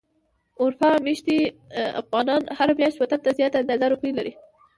اروپا ميشتي افغانان هره مياشت وطن ته زياته اندازه روپی ليږي.